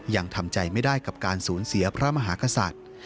ยังทำใจไม่ได้กับการสูญเสียพระมหากษัตริย์